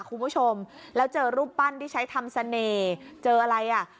คุณผู้ชมแล้วเจอรูปปั้นที่ใช้ทำเสน่ห์เจออะไรอ่ะ